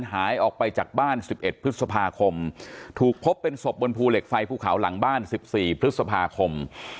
หายออกไปจากบ้าน๑๑พฤษภาคมถูกพบเป็นศพบนภูเหล็กไฟภูเขาหลังบ้าน๑๔พฤษภาคม